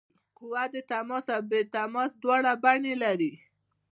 قوه د تماس او بې تماس دواړه بڼې لري.